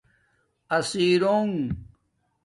اسرنݣ